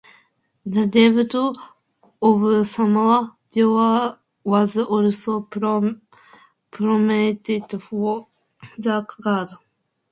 The debut of Samoa Joe was also promoted for the card.